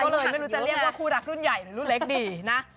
ก็เลยไม่รู้จะเรียกว่าคู่รักรุ่นใหญ่หรือรุ่นเล็กดีนะ